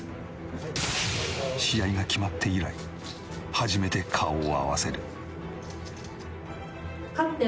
試合が決まって以来初めて顔を合わせる。